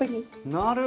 なるほど！